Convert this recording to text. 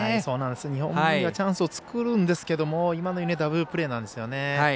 日本文理はチャンスを作るんですが今のようにダブルプレーなんですね。